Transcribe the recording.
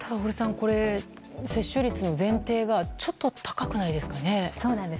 これ、接種率の前提がちょっと高くないですかね。